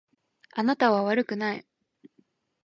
あなたは悪くない。